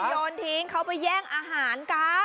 โยนทิ้งเขาไปแย่งอาหารกัน